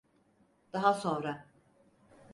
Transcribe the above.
Daha sonra.